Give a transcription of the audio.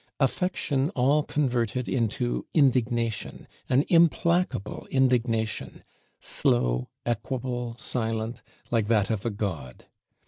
Affection all converted into indignation: an implacable indignation; slow, equable, silent, like that of a god!